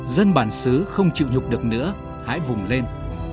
dân bản xứ không chịu nhục được nữa hãy vùng lên